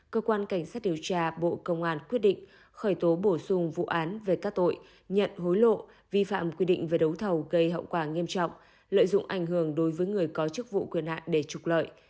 cơ quan cảnh sát điều tra bộ công an quyết định khởi tố bổ sung vụ án về các tội nhận hối lộ vi phạm quy định về đấu thầu gây hậu quả nghiêm trọng lợi dụng ảnh hưởng đối với người có chức vụ quyền hạn để trục lợi